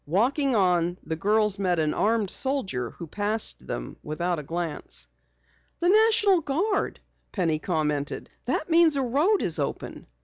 Walking on, the girls met an armed soldier who passed them without a glance. "The National Guard," Penny commented. "That means a road is open."